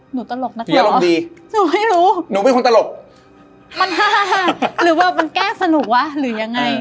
หนูตลกนักหนอหนูไม่รู้มันฮ่าหรือว่ามันแกล้งสนุกวะหรือยังไง